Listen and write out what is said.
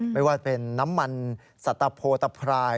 ไม่ว่าเป็นน้ำมันสัตวโพตะพราย